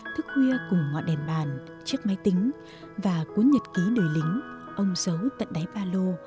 thức huaya cùng ngọn đèn bàn chiếc máy tính và cuốn nhật ký đời lính ông giấu tận đáy ba lô